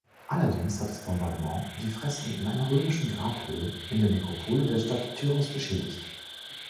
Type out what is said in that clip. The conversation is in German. Allerdings hat das Bombardement die Fresken in einer römischen Grabhöhle in der Nekropole der Stadt Tyros beschädigt.